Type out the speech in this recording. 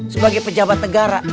sebagai pejabat negara